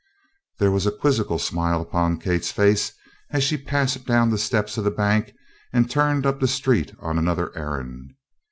There was a quizzical smile upon Kate's face as she passed down the steps of the bank and turned up the street on another errand.